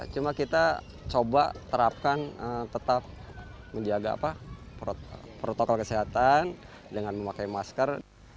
cuma kita coba terapkan tetap menjaga protokol kesehatan dengan memakai masker